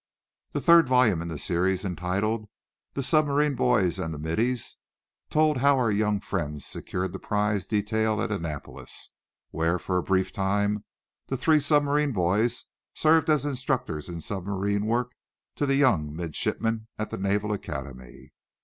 The third volume in the series, entitled "The Submarine Boys and the Middies" told how our young friends secured the prize detail at Annapolis; where, for a brief time, the three submarine boys served as instructors in submarine work to the young midshipmen at the Naval Academy.